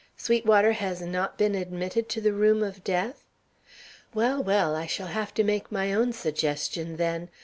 Sweetwater has not been admitted to the room of death? Well, well, I shall have to make my own suggestion, then.